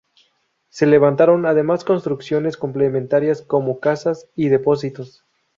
Se levantaron, además, construcciones complementarias como casas y depósitos.